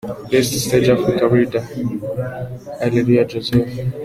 Best stage African rider: Areruya Joseph.